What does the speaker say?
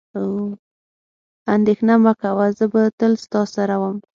اندېښنه مه کوه، زه به تل ستا سره وم.